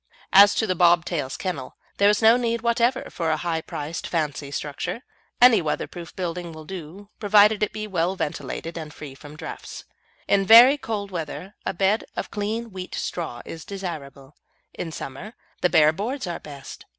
As to the bob tail's kennel, there is no need whatever for a high priced fancy structure. Any weatherproof building will do, provided it be well ventilated and free from draughts. In very cold weather a bed of clean wheat straw is desirable, in summer the bare boards are best.